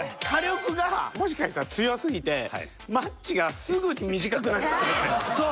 火力がもしかしたら強すぎてマッチがすぐに短くなって。